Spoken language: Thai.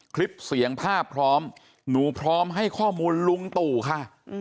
คลิปเสียงภาพพร้อมหนูพร้อมให้ข้อมูลลุงตู่ค่ะ